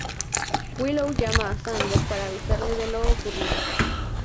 Willow llama a Xander para avisarle de lo ocurrido.